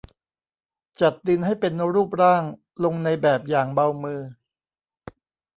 จัดดินให้เป็นรูปร่างลงในแบบอย่างเบามือ